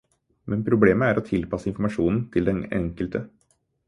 Men problemet er å tilpasse informasjonen til den enkelte.